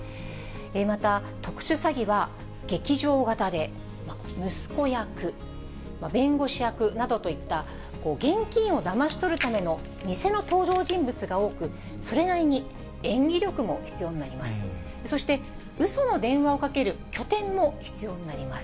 また特殊詐欺は劇場型で、息子役、弁護士役などといった、現金をだまし取るための偽の登場人物が多く、それなりに演技力も必要になります。